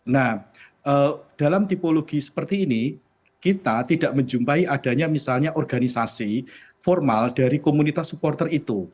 nah dalam tipologi seperti ini kita tidak menjumpai adanya misalnya organisasi formal dari komunitas supporter itu